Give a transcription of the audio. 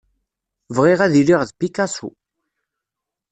Bɣiɣ ad iliɣ d Picasso.